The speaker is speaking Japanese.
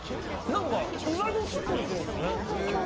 何か意外としっとりしてるんですね。